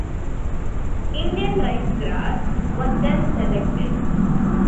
Indian ricegrass was then selected.